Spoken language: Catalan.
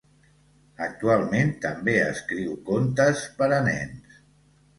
Actualment també escriu contes per a nens.